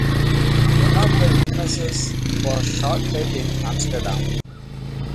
One of the witnesses was shot dead in Amsterdam.